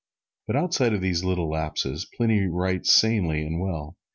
But outside of these little lapses, Pliny writes sanely and well.